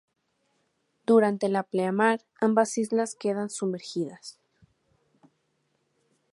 Durante la pleamar, ambas islas quedan sumergidas.